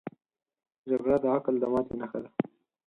جګړه د عقل د ماتې نښه ده